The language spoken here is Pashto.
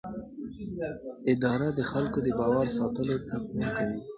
اداره د خلکو د باور ساتلو ته پام کوي.